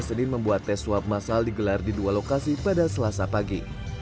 senin membuat tes swab masal digelar di dua lokasi pada selasa pagi